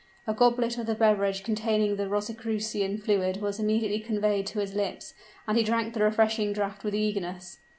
A goblet of the beverage containing the Rosicrucian fluid, was immediately conveyed to his lips, and he drank the refreshing draught with eagerness.